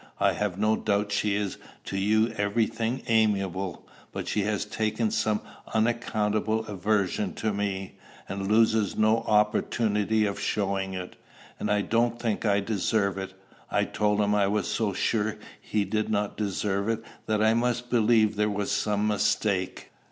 'I have no doubt she is to you every thing amiable; but she has taken some unaccountable aversion to me, and loses no opportunity of showing it. And I don't think I deserve it.' I told him I was so sure he did not deserve it, that I must believe there was some mistake.